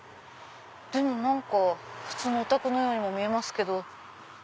でも何か普通のお宅のようにも見えますけど。